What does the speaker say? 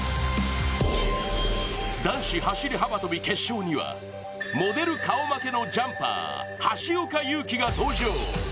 男子走幅跳決勝にはモデル顔負けのジャンパー、橋岡優輝が登場。